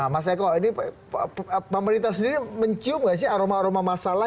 mas eko ini pemerintah sendiri mencium gak sih aroma aroma masalah